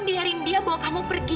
biarin dia bawa kamu pergi